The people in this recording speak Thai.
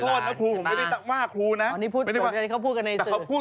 พูดแบบนี้ไม่ได้ว่าครูนะ